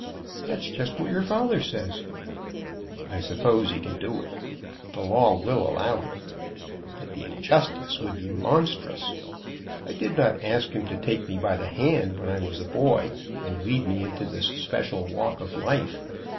"That's just what your father says." "I suppose he can do it. The law will allow him. But the injustice would be monstrous. I did not ask him to take me by the hand when I was a boy and lead me into this special walk of life.